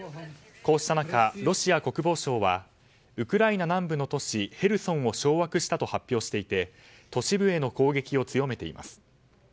こうした中、ロシア国防省はウクライナ南部の都市ヘルソンを掌握したと発表していて都市部への攻撃を強めています。